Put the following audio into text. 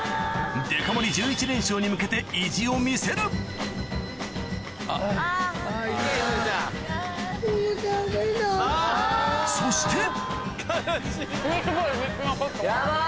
デカ盛り１１連勝に向けて意地を見せるそしてヤバっ！